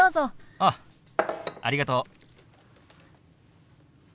ああありがとう。